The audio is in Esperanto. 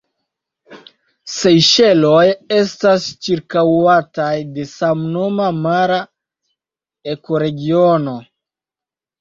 Sejŝeloj estas ĉirkaŭataj de samnoma mara ekoregiono.